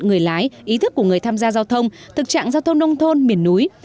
người lái ý thức của người tham gia giao thông thực trạng giao thông nông thôn miền núi